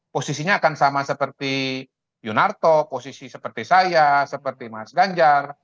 posisinya akan sama seperti yunarto posisi seperti saya seperti mas ganjar